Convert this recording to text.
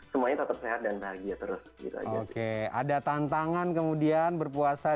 semuanya tetap sehat dan bahagia terus gitu aja oke ada tantangan kemudian berpuasa